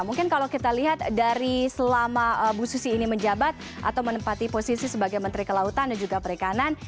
mungkin kalau kita lihat dari selama bu susi ini menjabat atau menempati posisi sebagai menteri kelautan dan juga perikanan